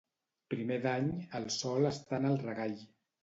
Primer d'any, el sol està en el regall.